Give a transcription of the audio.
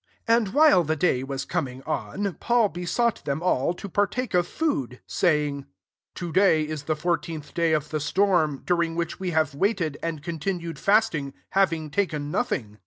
33 And, while the day was coming on, Paul besought them all to partake of food ; saying) " To day is the fourteenth dtf of the atornij during which we have waited, and continued fasting, having taken nothing.